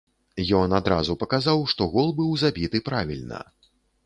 Ён адразу паказаў, што гол быў забіты правільна.